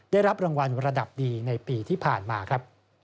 ได้รับรางวัลระดับดีในปีที่ผ่านมาครับ